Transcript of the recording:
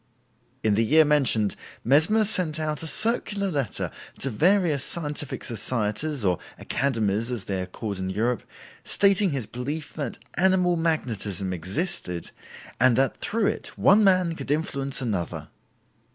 In the year mentioned, Mesmer sent out a circular letter to various scientific societies or "Academies" as they are called in Europe, stating his belief that "animal magnetism" existed, and that through it one man could influence another.